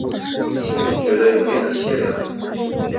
心里觉得有点凄凉